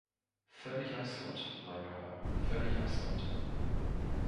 Völlig absurd, mein Junge - völlig absurd.